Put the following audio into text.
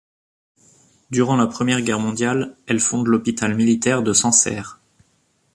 Durant la Première Guerre mondiale, elle fonde l'hôpital militaire de Sancerre.